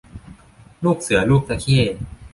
ลูกเสือลูกตะเข้